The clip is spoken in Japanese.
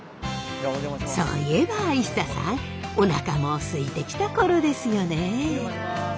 そういえばＩＳＳＡさんおなかもすいてきた頃ですよね。